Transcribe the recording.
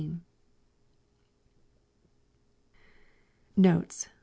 Notes.